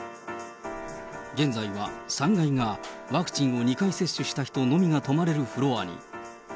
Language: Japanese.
現在は３階がワクチンを２回接種した人のみが泊まれるフロアに。